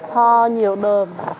tho nhiều đồ